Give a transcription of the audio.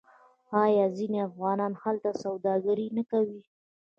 آیا ځینې افغانان هلته سوداګري نه کوي؟